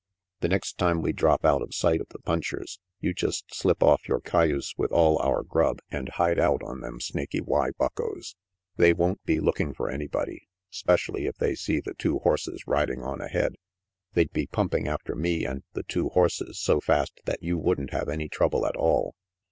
" The next time we drop out of sight of the punchers, you just slip off your cayuse with all our grub and hide out on them Snaky Y tuckos. They won't be looking for anybody, 'specially if they see the two horses riding on ahead. They'd be pumping after me and the two horses so fast that you wouldn't have any trouble at all.